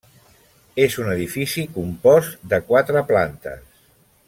És un edifici compost de quatre plantes.